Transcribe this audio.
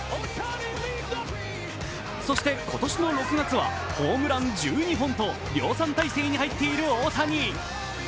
そして今年の６月はホームラン１２本と量産態勢に入っている大谷。